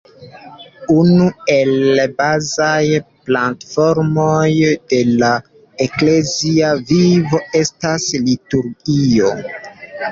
Unu el bazaj platformoj de la eklezia vivo estas liturgio.